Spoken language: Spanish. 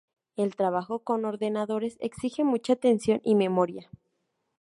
El trabajo con ordenadores exige mucha atención y memoria.